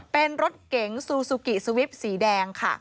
เป็นรถเก๋งซูซูกิสวิปสีแดงค่ะ